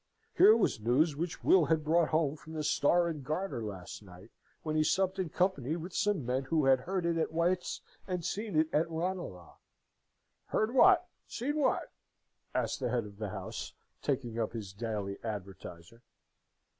Here was news which Will had brought home from the Star and Garter last night, when he supped in company with some men who had heard it at White's and seen it at Ranelagh! "Heard what? seen what?" asked the head of the house, taking up his Daily Advertiser.